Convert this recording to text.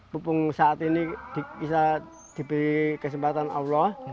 pupung saat ini bisa diberi kesempatan allah